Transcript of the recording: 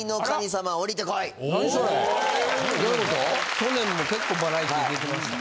去年も結構バラエティー出てましたから。